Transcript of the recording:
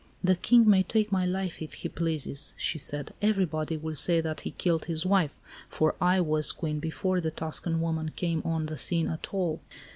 "The King may take my life, if he pleases," she said. "Everybody will say that he killed his wife; for I was Queen before the Tuscan woman came on the scene at all."